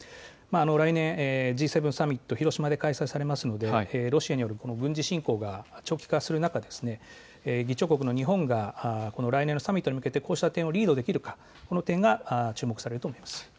来年Ｇ７サミット、広島で開催されますので、ロシアによる軍事侵攻が長期化する中議長国の日本が来年のサミットに向けてこうした点をリードできるかこの点が注目されると思います。